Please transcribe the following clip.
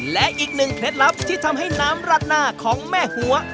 และอีกหนึ่งเคล็ดลับที่ทำให้น้ำรัดหน้าของแม่หัว